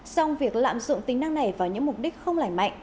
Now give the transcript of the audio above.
song việc lạm dụng tính năng này vào những mục đích không lành mạnh